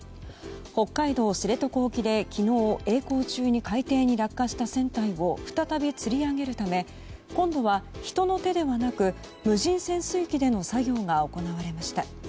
北海道知床沖で昨日曳航中に海底に落下した船体を再びつり上げるため今度は人の手ではなく無人潜水機での作業が行われました。